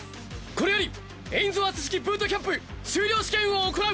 これよりエインズワース式ブートキャンプ修了試験を行う！